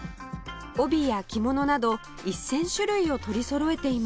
帯や着物など１０００種類を取り揃えています